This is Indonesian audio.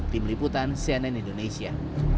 tim liputan cnn indonesia